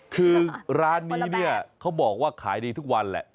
คือร้านนี้เนี่ยเขาบอกว่าขายดีทุกวันแหละ